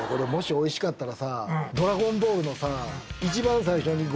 おいしかったら？